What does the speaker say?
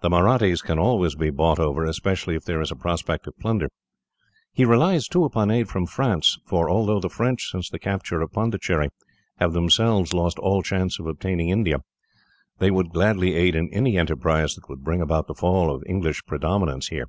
The Mahrattis can always be bought over, especially if there is a prospect of plunder. He relies, too, upon aid from France; for although the French, since the capture of Pondicherry, have themselves lost all chance of obtaining India, they would gladly aid in any enterprise that would bring about the fall of English predominance here.